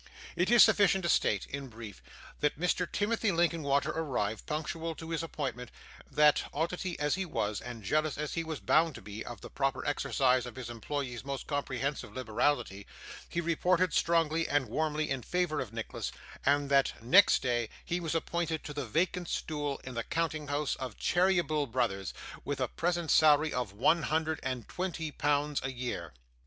It is sufficient to state, in brief, that Mr. Timothy Linkinwater arrived, punctual to his appointment; that, oddity as he was, and jealous, as he was bound to be, of the proper exercise of his employers' most comprehensive liberality, he reported strongly and warmly in favour of Nicholas; and that, next day, he was appointed to the vacant stool in the counting house of Cheeryble, Brothers, with a present salary of one hundred and twenty pounds a year.